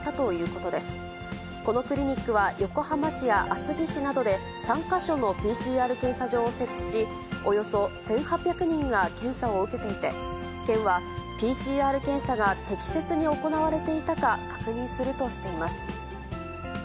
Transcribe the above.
このクリニックは、横浜市や厚木市などで、３か所のＰＣＲ検査場を設置し、およそ１８００人が検査を受けていて、県はＰＣＲ検査が適切に行われていたか確認するとしています。